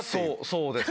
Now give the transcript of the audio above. そうですね。